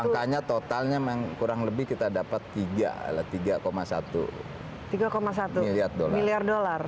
angkanya totalnya kurang lebih kita dapat tiga satu miliar dolar